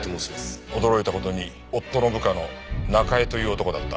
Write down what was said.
驚いた事に夫の部下の中江という男だった。